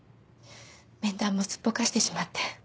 面談もすっぽかしてしまって。